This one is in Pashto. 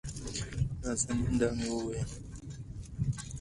نازنين: دا مې وېل